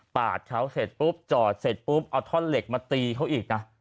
เขาเสร็จปุ๊บจอดเสร็จปุ๊บเอาท่อนเหล็กมาตีเขาอีกนะ